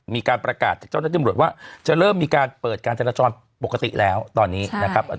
มีการประกาศจากเจ้าหน้าที่ตำรวจว่าจะเริ่มมีการเปิดการจราจรปกติแล้วตอนนี้นะครับ